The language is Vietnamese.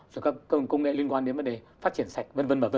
rồi các công nghệ liên quan đến vấn đề phát triển sạch